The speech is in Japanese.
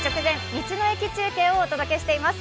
道の駅中継をお届けしています。